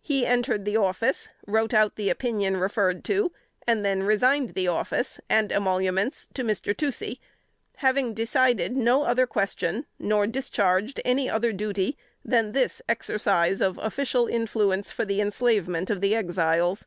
He entered the office, wrote out the opinion referred to, and then resigned the office and emoluments to Mr. Toucey; having decided no other question, nor discharged any other duty, than this exercise of official influence for the enslavement of the Exiles.